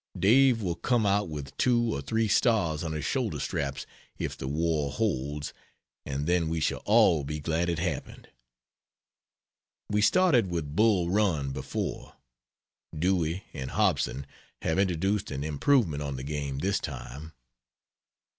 Dave will come out with two or three stars on his shoulder straps if the war holds, and then we shall all be glad it happened. We started with Bull Run, before. Dewey and Hobson have introduced an improvement on the game this time.